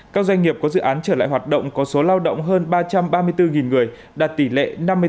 các doanh nghiệp có dự án trở lại hoạt động có số lao động hơn ba trăm ba mươi bốn người đạt tỷ lệ năm mươi bốn